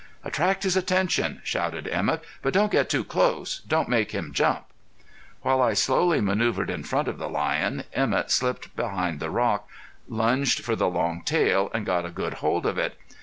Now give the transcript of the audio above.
"Attract his attention," shouted Emett, "but don't get too close. Don't make him jump." While I slowly manoeuvered in front of the lion, Emett slipped behind the rock, lunged for the long tail and got a good hold of it.